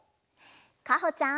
かほちゃん。